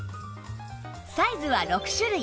サイズは６種類